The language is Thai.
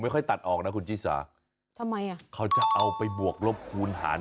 ค่อยตัดออกนะคุณชิสาทำไมอ่ะเขาจะเอาไปบวกลบคูณหาร